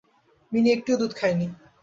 Mini একটুও দুধ খায়নি।